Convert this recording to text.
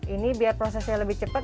ini biar prosesnya lebih cepat